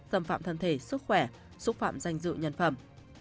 xâm phạm thân thể sức khỏe xúc phạm danh dự nhân phẩm